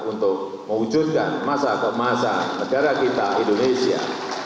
untuk mewujudkan masa ke masa negara kita indonesia